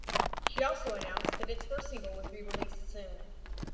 She also announced that its first single would be released soon.